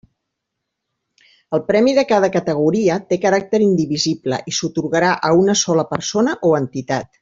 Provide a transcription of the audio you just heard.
El premi de cada categoria té caràcter indivisible i s'atorgarà a una sola persona o entitat.